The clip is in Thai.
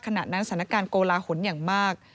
ขณะนั้นสถานการณ์โกลาหลอย่างมาก